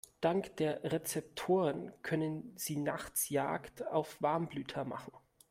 Dank der Rezeptoren können sie nachts Jagd auf Warmblüter machen.